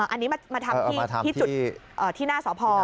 อันนี้มาทำที่จุดที่หน้าสพ